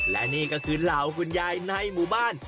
และนี่ก็คือเหล่าคุณยายในหมู่บ้าน